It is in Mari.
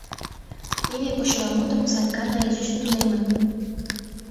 Нине почеламутым Санька наизусть тунемын.